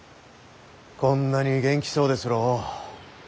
こんなに元気そうですろう？